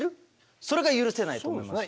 それが許せないと思いますね。